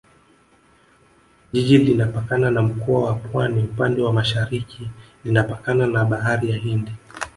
Jiji linapakana na Mkoa wa Pwani upande wa Mashariki linapakana na Bahari ya Hindi